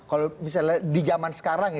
kalau misalnya di jaman sekarang ya